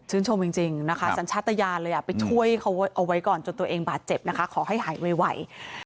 ชมจริงนะคะสัญชาติยานเลยไปช่วยเขาเอาไว้ก่อนจนตัวเองบาดเจ็บนะคะขอให้หายไว